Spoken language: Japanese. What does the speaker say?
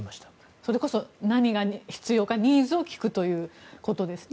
それこそ何が必要かニーズを聞くということですね。